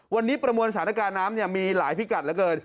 วันนี้ประมวลสถานการณ์น้ำมีหลายพิกัดเหลือเกิน